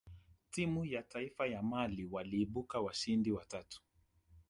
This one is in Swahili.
timu ya taifa ya mali waliibuka washindi wa tatu